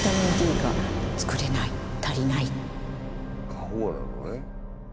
過保護なのね。